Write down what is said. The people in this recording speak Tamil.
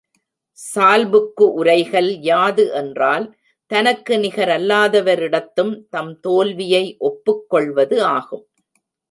சால்புக்கு உரைகல் யாது என்றால் தனக்கு நிகர் அல்லாதவரிடத்தும் தம் தோல்வியை ஒப்புக் கொள்வது ஆகும்.